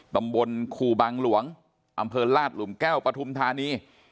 ตำบลครูบังหลวงอำเภอลาดหลุมแก้วปฐุมธานี